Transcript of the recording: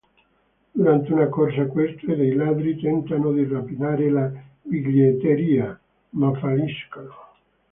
Durante una corsa equestre dei ladri tentano di rapinare la biglietteria, ma falliscono.